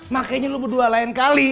makanya lu berdua lain kali